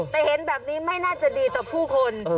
แต่เห็นแบบนี้ไม่น่าจะดีต่อผู้คน